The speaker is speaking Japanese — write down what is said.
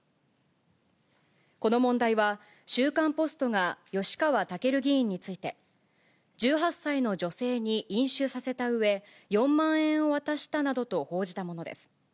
この問題は、週刊ポストが吉川赳議員について、１８歳の女性に飲酒させたうえ、４万円を渡したなどと報じたものです。